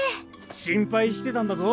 心配してたんだぞ。